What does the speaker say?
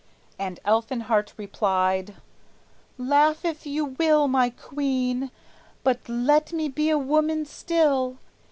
And Elfinhart replied: "Laugh if you will, My queen, but let me be a woman still.